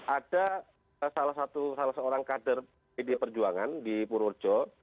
ada salah satu kader pd perjuangan di purworejo